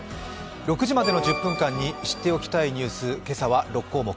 ６時までの１０分間に知っておきたいニュース、今朝は６項目。